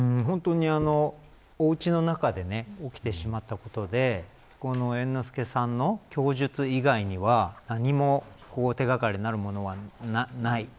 おうちの中で起きてしまったことで猿之助さんの供述以外では何も手掛かりになるものがない。